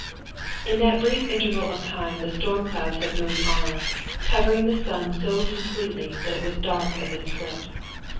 In that brief interval of time the storm clouds had moved on, covering the sun so completely that it was dark as an eclipse.